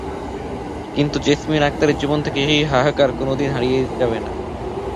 কিন্তু জেসমিন আক্তারের জীবন থেকে সেই হাহাকার কোনো দিন হারিয়ে যাবে না।